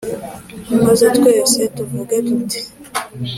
maze twese tuvuge tuti